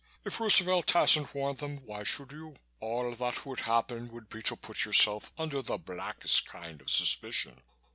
If Roosevelt hasn't warned them, why should you? All that would happen would be to put yourself under the blackest kind of suspicion.